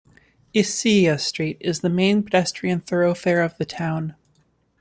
Isilla street is the main pedestrian thoroughfare of the town.